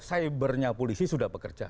cybernya polisi sudah bekerja